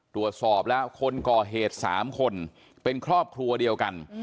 ตรวจสอบแล้วคนก่อเหตุ๓คนเป็นครอบครัวเดียวกัน